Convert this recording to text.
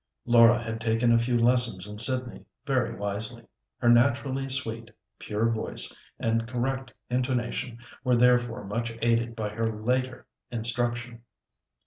Laura had taken a few lessons in Sydney, very wisely. Her naturally sweet, pure voice and correct intonation were therefore much aided by her later instruction.